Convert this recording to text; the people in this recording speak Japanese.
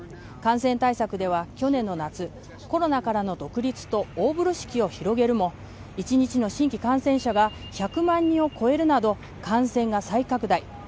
感染対策では去年の夏コロナからの独立と大風呂敷を広げるも１日の新規感染者が１００万人を超えるなど感染が再拡大。